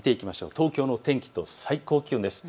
東京の天気と最高気温です。